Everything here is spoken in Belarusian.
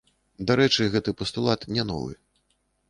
Дарэчы, гэты пастулат не новы.